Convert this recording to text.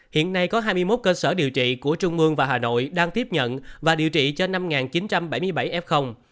hiện nay có hai mươi một cơ sở điều trị của trung mương và hà nội đang tiếp nhận và điều trị cho năm chín trăm bảy mươi bảy f